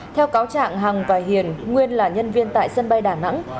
theo cáo trạng hằng và hiền nguyên là nhân viên tại sân bay đà nẵng